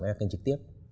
đó là kênh trực tiếp